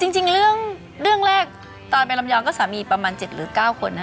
จริงเรื่องแรกตอนไปลำย้อมประมาณ๗๙คน